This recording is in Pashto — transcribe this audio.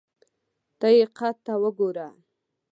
ته یې قد ته وګوره !